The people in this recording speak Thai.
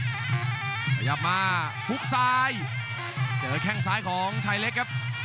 ขยับมาฮุกซ้ายเจอแข้งซ้ายของชายเล็กครับ